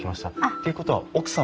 っていうことは奥様？